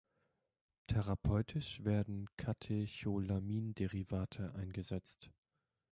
Therapeutisch werden Katecholamin-Derivate eingesetzt.